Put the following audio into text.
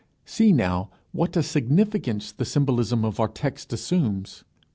See, now, what a significance the symbolism of our text assumes.